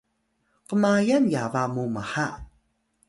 kmayal yaba mu mha